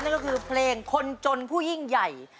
นั่นก็คือเพลงคนจนผู้ยิ่งใหญ่